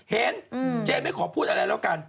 เจไม่ขอพูดอะไรแล้วกัน